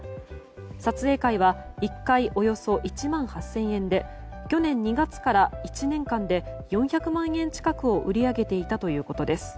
撮影会は１回およそ１万８０００円で去年２月から１年間で４００万円近くを売り上げていたということです。